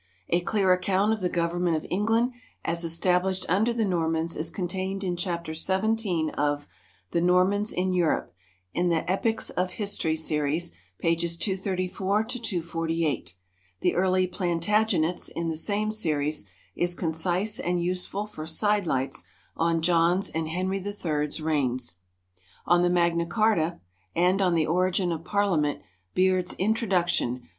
A clear account of the Government of England as established under the Normans is contained in Chapter XVII of "The Normans in Europe," in the Epochs of History series, pp. 234 248. "The Early Plantagenets" in the same series, is concise and useful for "side lights" on John's and Henry III's reigns. On the Magna Charta, and on the Origin of Parliament, Beard's "Introduction," pp.